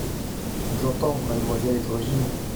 J'entends : mademoiselle est au régime.